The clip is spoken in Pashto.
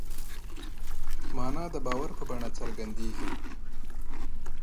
مانا د باور په بڼه څرګندېږي.